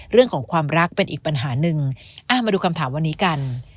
เรื่องของความรักเป็นอีกปัญหาหนึ่งมาดูคำถามวันนี้กัน